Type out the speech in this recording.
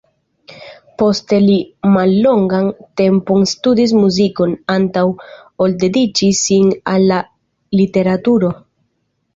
Poste li mallongan tempon studis muzikon, antaŭ ol dediĉi sin al la literaturo.